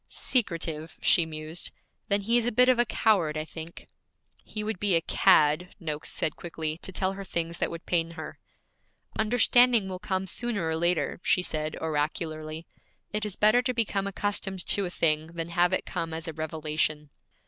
'Secretive,' she mused. 'Then he is a bit of a coward, I think.' 'He would be a cad,' Noakes said quickly, 'to tell her things that would pain her.' 'Understanding will come sooner or later,' she said oracularly. 'It is better to become accustomed to a thing than have it come as a revelation.'